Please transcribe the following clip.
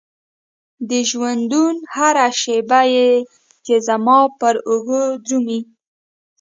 د ژوندون هره شيبه چې د زمان پر اوږو درومي.